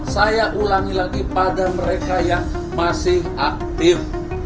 saya ulangi lagi pada mereka yang masih aktif